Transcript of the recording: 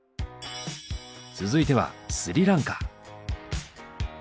続いてはスリランカ。